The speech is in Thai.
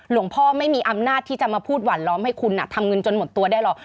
หลวงพ่อไม่มีอำนาจที่จะมาพูดหวั่นล้อมให้คุณทำเงินจนหมดตัวได้หรอก